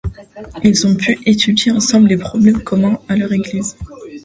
Ils ont pu étudier ensemble les problèmes communs à leurs églises.